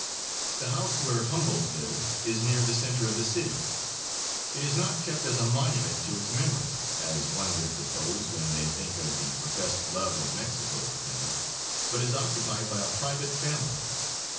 The house where Humboldt lived is near the center of the city. It is not kept as a monument to his memory, as one would suppose when they think of the professed love of Mexico for him, but is occupied by a private family.